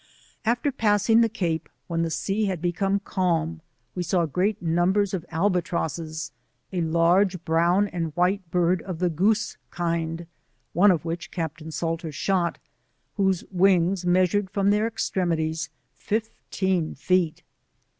After passing the Cape when the sea had become calm we saw great numbers of Albatrosses, a large brown and white bird of the goose kind, one of which Captain Salter shot, whose wings measured from their extreraitieft fifteen feet.